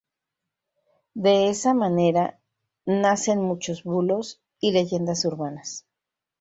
De esa manera nacen muchos bulos y leyendas urbanas.